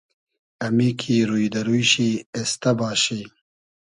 امی کی روی دۂ روی شی اېستۂ باشی